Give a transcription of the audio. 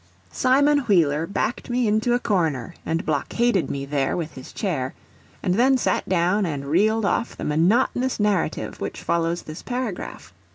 Simon Wheeler backed me into a corner and blockaded me there with his chair, and then sat down and reeled off the monotonous narrative which follows this paragraph.